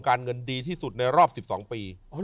การเงินดีที่สุดในรอบ๑๒ปี